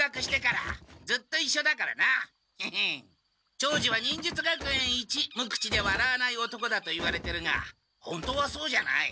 長次は忍術学園一無口でわらわない男だと言われてるが本当はそうじゃない。